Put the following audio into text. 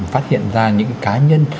phát hiện ra những cá nhân